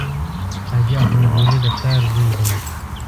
حاجي احمد ولي د پلار زوی دی.